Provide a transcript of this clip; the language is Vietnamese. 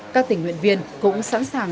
các tỉnh nguyện viên cũng sẵn sàng